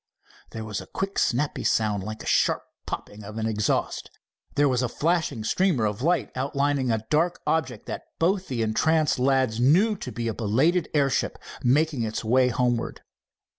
There was a quick snappy sound, like the sharp popping of an exhaust. There was a flashing streamer of light, outlining a dark object that both the entranced lads knew to be a belated airship making its way homeward.